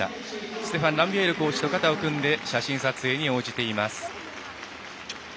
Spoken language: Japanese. ステファン・ランビエールコーチと肩を組んで写真撮影に応じています。